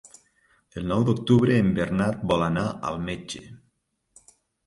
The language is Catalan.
El nou d'octubre en Bernat vol anar al metge.